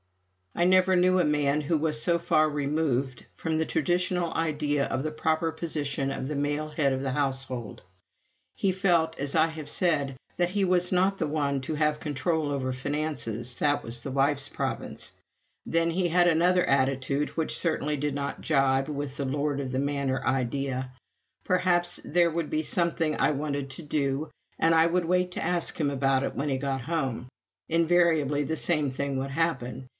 I never knew a man who was so far removed from the traditional ideas of the proper position of the male head of a household. He felt, as I have said, that he was not the one to have control over finances that was the wife's province. Then he had another attitude which certainly did not jibe with the Lord of the Manor idea. Perhaps there would be something I wanted to do, and I would wait to ask him about it when he got home. Invariably the same thing would happen.